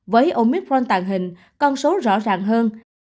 với omicron tàng hình con số rõ ràng hơn